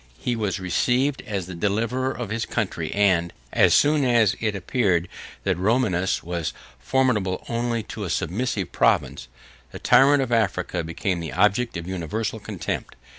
122 He was received as the deliverer of his country; and, as soon as it appeared that Romanus was formidable only to a submissive province, the tyrant of Africa became the object of universal contempt.